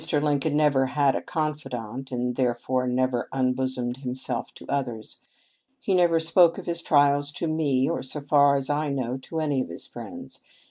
Lincoln never had a confidant, and therefore never unbosomed himself to others. He never spoke of his trials to me or, so far as I knew, to any of his friends.